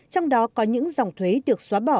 trong đó có những dòng thuế được xóa bỏ